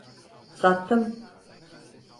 Sattım…